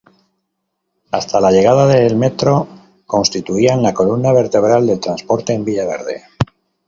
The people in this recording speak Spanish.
Hasta la llegada del metro constituían la columna vertebral del transporte en Villaverde.